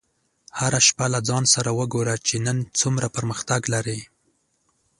هره شپه له ځان سره وګوره چې نن څومره پرمختګ لرې.